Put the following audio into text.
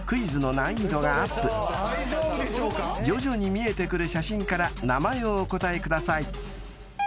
［徐々に見えてくる写真から名前をお答えください］